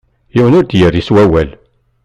Yiwen ur d-yerri s wawal.